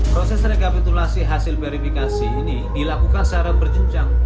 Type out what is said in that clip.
proses rekapitulasi hasil verifikasi ini dilakukan secara berjenjang